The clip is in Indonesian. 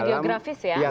karena geografis ya